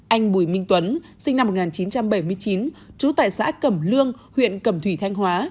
anh bùi minh tuấn sinh năm một nghìn chín trăm bảy mươi chín trú tại xã cẩm lương huyện cẩm thủy thanh hóa